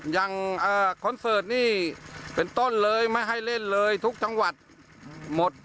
ยังโคนเสิร์ตนี่เป็นต้นเลยไม่ให้เล่นเลยทุกถวรรษ